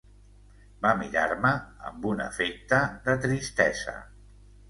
Va mirar-me amb un efecte de tristesa.